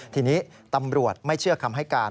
ทีนี้ตำรวจไม่เชื่อคำให้การ